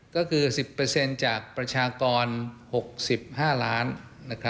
ก็คือ๑๐จากประชากร๖๕ล้าน